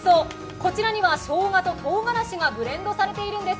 こちらにはしょうがととうがらしがブレンドされているんです。